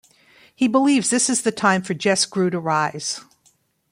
He believes this is the time for Jes Grew to rise.